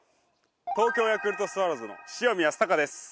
東京ヤクルトスワローズの塩見泰隆です。